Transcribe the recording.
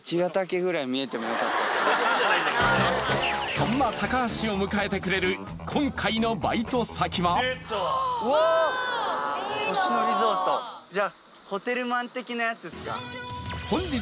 そんな橋を迎えてくれる本日のバイト先は総合リゾート運営会社